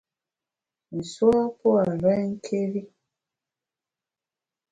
Nsu a pua’ renké́ri.